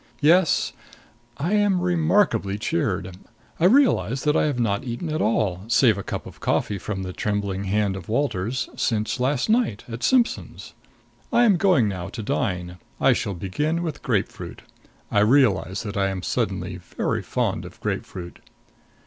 Yes I am remarkably cheered. I realize that I have not eaten at all save a cup of coffee from the trembling hand of Walters since last night, at Simpson's. I am going now to dine. I shall begin with grapefruit. I realize that I am suddenly very fond of grapefruit.